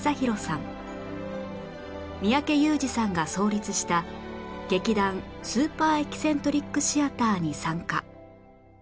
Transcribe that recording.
三宅裕司さんが創立した劇団スーパー・エキセントリック・シアターに参加